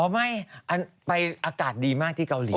ไม่ไปอากาศดีมากที่เกาหลี